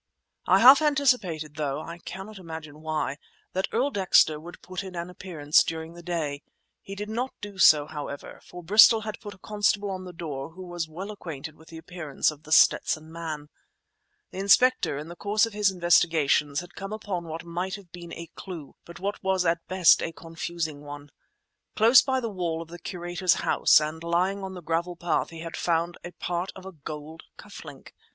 I half anticipated, though I cannot imagine why, that Earl Dexter would put in an appearance, during the day. He did not do so, however, for Bristol had put a constable on the door who was well acquainted with the appearance of The Stetson Man. The inspector, in the course of his investigations, had come upon what might have been a clue, but what was at best a confusing one. Close by the wall of the curator's house and lying on the gravel path he had found a part of a gold cuff link.